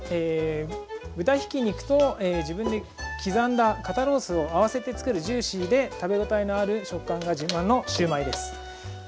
豚ひき肉と自分で刻んだ肩ロースを合わせて作るジューシーで食べ応えのある食感が自慢のシューマイです。